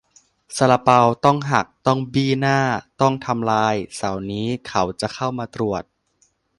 "ซาลาเปาต้องหัก ต้องบี้หน้า ต้องทำลาย เสาร์นี้เขาจะเข้ามาตรวจ"